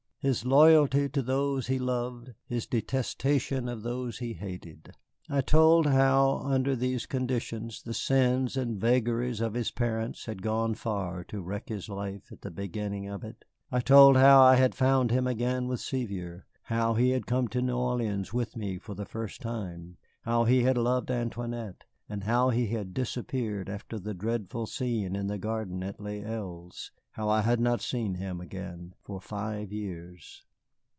His loyalty to those he loved, his detestation of those he hated. I told how, under these conditions, the sins and vagaries of his parents had gone far to wreck his life at the beginning of it. I told how I had found him again with Sevier, how he had come to New Orleans with me the first time, how he had loved Antoinette, and how he had disappeared after the dreadful scene in the garden at Les Îles, how I had not seen him again for five years.